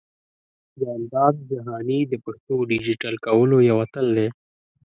جانداد جهاني د پښتو ډىجيټل کولو يو اتل دى.